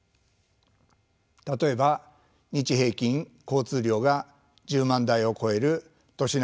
例えば日平均交通量が１０万台を超える都市内